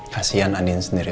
kasian andin sendiri